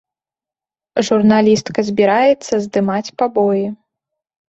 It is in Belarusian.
Журналістка збіраецца здымаць пабоі.